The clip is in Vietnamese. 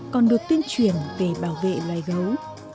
còn được tuyên truyền về bảo vệ loài gấu